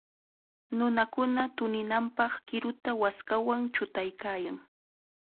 Nunakuna tuninanpaq qiruta waskawan chutaykaayan.